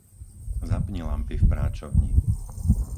Zapni lampy v práčovni.